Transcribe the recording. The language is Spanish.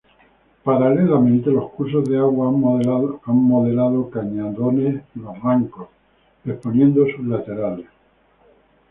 Paralelamente, los cursos de agua han modelado cañadones y barrancos exponiendo sus laterales.